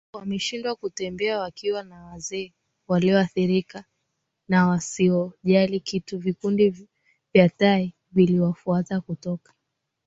wameshindwa kutembea wakiwa na wazee walioathirika na wasiojali kitu Vikundi vya tai viliwafuata kutoka